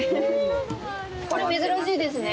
これ、珍しいですね。